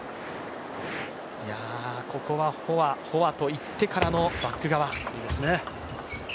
ここはフォア、フォアといってからのバック側。